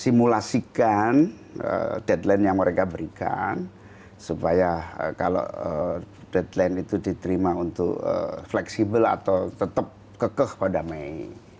simulasikan deadline yang mereka berikan supaya kalau deadline itu diterima untuk fleksibel atau tetap kekeh pada mei